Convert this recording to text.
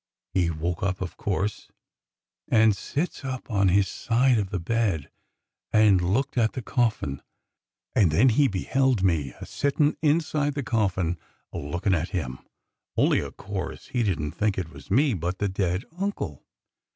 He woke up, o' course, and sits up on his side of the bed and looked at the coffin; and then he beheld me a sittin' up inside the coffin a lookin' at him, only, o' course, he didn't think it was me, but the dead uncle.